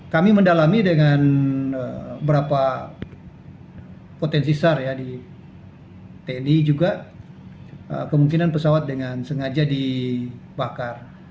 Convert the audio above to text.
kami mendalami dengan berapa potensi sar ya di tni juga kemungkinan pesawat dengan sengaja dibakar